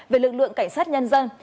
về lực lượng cảnh sát nhân dân